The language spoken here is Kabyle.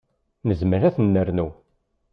Nezmer ad ten-nernu.